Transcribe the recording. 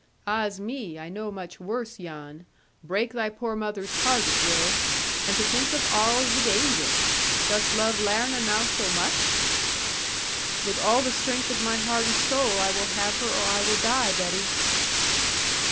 'Ah's me! I know much worse, Jan. Break thy poor mother's heart it will. And to think of arl the danger! Dost love Larna now so much?' 'With all the strength of my heart and soul. I will have her, or I will die, Betty.'